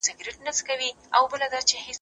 ته ولي موبایل کاروې؟